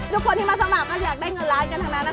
ทุกคนที่มาสมัครก็อยากได้เงินล้านกันทั้งนั้น